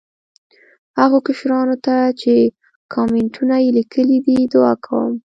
هغو کشرانو ته چې کامینټونه یې لیکلي دي، دعا کوم.